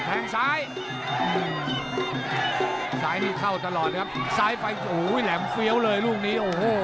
แทงซ้ายซ้ายนี่เข้าตลอดนะครับซ้ายไปโอ้โหแหลมเฟี้ยวเลยลูกนี้โอ้โห